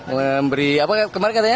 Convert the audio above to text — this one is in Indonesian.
memberi apa kemarin katanya